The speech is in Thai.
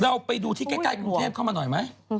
เราไปดูที่ใกล้กรุงเทพเข้ามาหน่อยไหม